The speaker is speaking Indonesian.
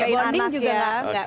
iya bonding juga gak